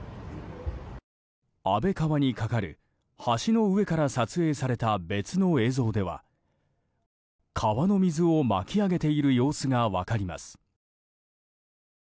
安倍川に架かる橋の上から撮影された別の映像では川の水を巻き上げている様子が分かります。